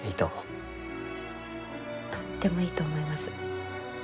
とってもいいと思います。